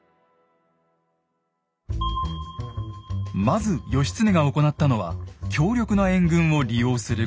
まず義経が行ったのは強力な援軍を利用することでした。